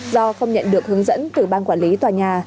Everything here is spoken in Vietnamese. do không nhận được hướng dẫn từ ban quản lý tòa nhà